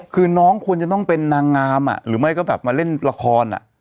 คือน้องควรจะต้องเป็นนางงามหรือไม่ก็แบบมาเล่นละคร